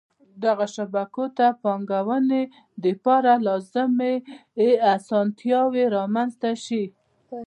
دغو شبکو ته د پانګوني دپاره لازمی اسانتیاوي رامنځته شي.